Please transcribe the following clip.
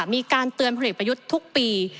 มีการเตือนพลเอกประยุทธ์ทุกปี